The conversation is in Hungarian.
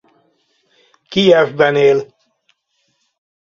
Kijevben él.